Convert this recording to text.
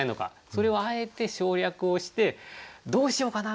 それをあえて省略をしてどうしようかな？